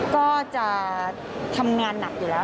ก็จะทำงานหนักอยู่แล้ว